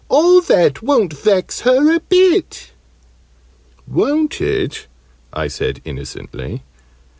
"All that won't vex her a bit!" "Won't it?" I said, innocently.